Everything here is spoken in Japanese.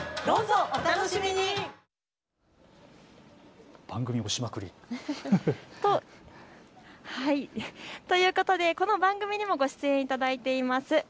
どうぞお楽しみに。ということでこの番組にもご出演いただいています